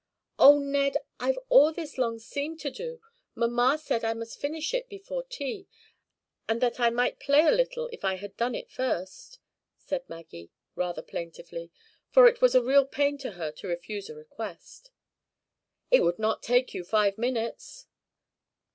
"Oh, Ned! I've all this long seam to do. Mamma said I must finish it before tea; and that I might play a little if I had done it first," said Maggie, rather plaintively; for it was a real pain to her to refuse a request. "It would not take you five minutes."